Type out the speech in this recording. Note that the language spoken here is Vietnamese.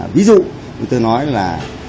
ví dụ người ta nói là